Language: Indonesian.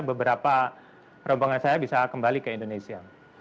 beberapa rombongan saya bisa kembali ke indonesia